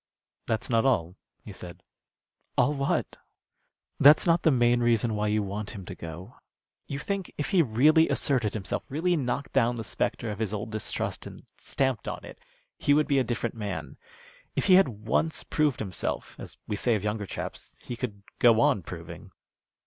"That's not all," he said. "All what?" "That's not the main reason why you want him to go. You think if he really asserted himself, really knocked down the spectre of his old distrust and stamped on it, he would be a different man. If he had once proved himself, as we say of younger chaps, he could go on proving."